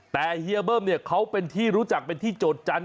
แต่เฮียเบิ้มเนี่ยเขาเป็นที่รู้จักเป็นที่โจทยัน